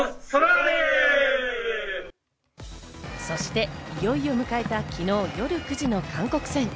そしていよいよ迎えた昨日夜９時の韓国戦。